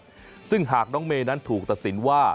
ที่ถึงหากท่านเมตฉันถูกตัดสินว่า